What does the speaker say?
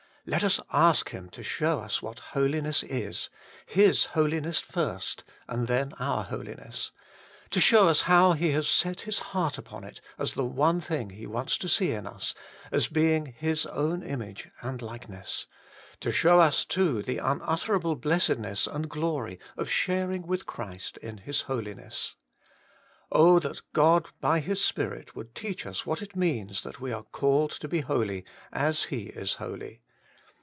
Let us ask Him to show us what Holiness is, His Holiness first, and then our Holiness ; to show us how He has set His heart upon it as the one thing He wants to see in us, as being His own image and likeness ; to show us too the unutterable blessedness and glory of sharing with Christ in His Holiness. Oh ! that God by His Spirit would teach us what it means that we are called to be holy as He is holy.